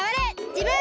じぶん！